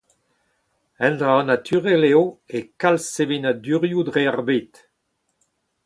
Un dra naturel eo e kalz sevenadurioù dre ar bed.